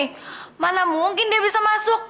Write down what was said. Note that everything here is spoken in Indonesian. kemana mungkin dia bisa masuk